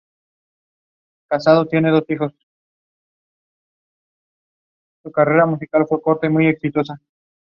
His sisters Yasmin and are both professional athletes.